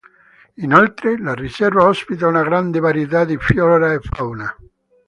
Inoltre, la riserva ospita una grande varietà di flora e fauna.